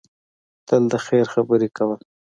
تل د خیر خبرې کوه.